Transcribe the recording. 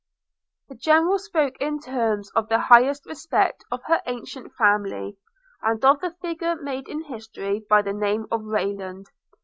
The General spoke in terms of the highest respect of her ancient family, and of the figure made in history by the name of Rayland.